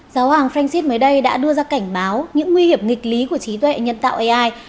giáo hoàng francis mới đây đã đưa ra cảnh báo những nguy hiểm nghịch lý của trí tuệ nhân tạo ai